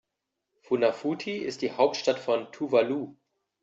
Funafuti ist die Hauptstadt von Tuvalu.